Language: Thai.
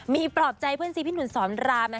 มีปลอบใจเพื่อนซีพี่หนุ่มสอนราม